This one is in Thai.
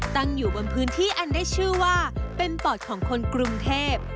ตั้งอยู่บนพื้นที่อันได้ชื่อว่าเป็นปอดของคนกรุงเทพ